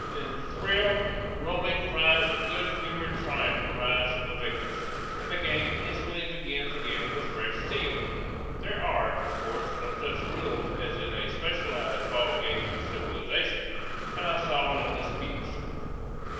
Then shrill, rolling cries of good humored triumph arise from the victors; and the game instantly begins again with fresh zest. There are, of course, no such rules as in a specialized ball game of civilization; and I saw no disputes.